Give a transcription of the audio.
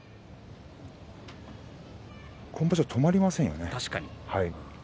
今場所は止まりませんよね。